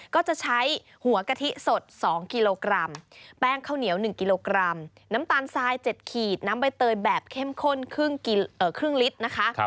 ก็จะใช้หัวกะทิสด๒กิโลกรัมแป้งข้าวเหนียว๑กิโลกรัมน้ำตาลทราย๗ขีดน้ำใบเตยแบบเข้มข้นครึ่งลิตรนะคะ